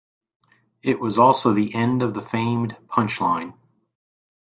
It was also the end of the famed "Punch Line".